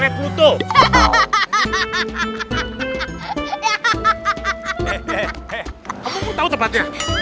hehehe kamu pun tau tempatnya